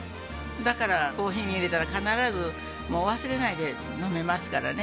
だからコーヒーに入れたら必ず忘れないで飲めますからね。